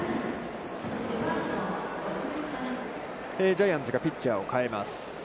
ジャイアンツがピッチャーを代えます。